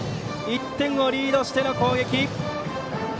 １点をリードしての攻撃。